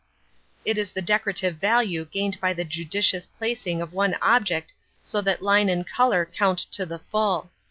It is the decorative value gained by the judicious placing of one object so that line and colour count to the full.